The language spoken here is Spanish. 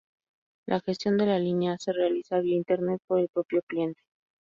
La gestión de la línea se realiza vía Internet por el propio cliente.